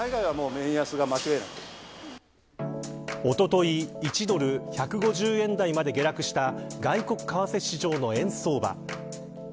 おととい、１ドル１５０円台まで下落した外国為替市場の円相場。